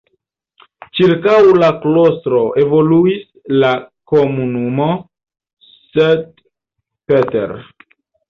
Ĉirkaŭ la klostro evoluis la komunumo St. Peter.